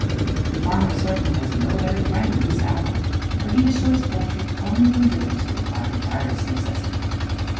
The farmer certainly has no better friend than this owl, for he destroys poultry only when driven to it by the direst necessity.